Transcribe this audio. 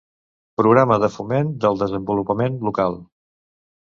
Programa de foment del desenvolupament local.